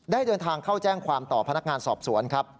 เดินทางเข้าแจ้งความต่อพนักงานสอบสวนครับ